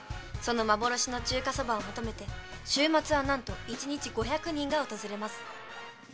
その幻の中華そばを求めて週末は何と一日５００人が訪れます。